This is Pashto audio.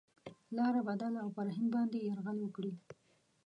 لاره بدله او پر هند باندي یرغل وکړي.